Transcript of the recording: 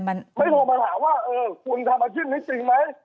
มันไม่โทรมาถามว่าเออคุณทำอาชีพนี้จริงไหม